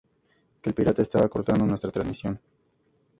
Que el pirata estaba cortando nuestra transmisión.